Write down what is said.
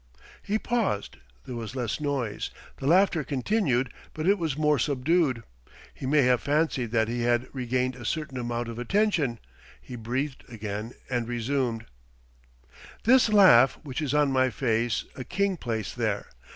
He paused. There was less noise. The laughter continued, but it was more subdued. He may have fancied that he had regained a certain amount of attention. He breathed again, and resumed, "This laugh which is on my face a king placed there.